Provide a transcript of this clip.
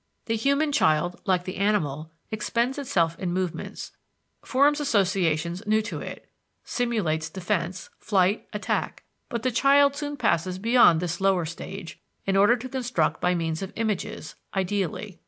The human child, like the animal, expends itself in movements, forms associations new to it, simulates defence, flight, attack; but the child soon passes beyond this lower stage, in order to construct by means of images (ideally).